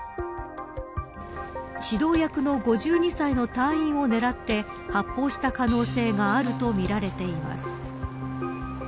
指導役の５２歳の隊員を狙って発砲した可能性があるとみられています。